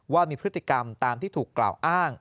ว่ามีพฤติกรรมตามที่ถูกกล่าวอ้าง